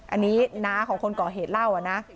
อันนี้น้าของคนก่อเหตุเล่านะ